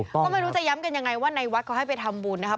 ก็ไม่รู้จะย้ำกันยังไงว่าในวัดเขาให้ไปทำบุญนะครับ